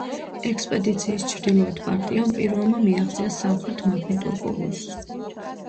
ექსპედიციის ჩრდილოეთ პარტიამ პირველმა მიაღწია სამხრეთ მაგნიტურ პოლუსს.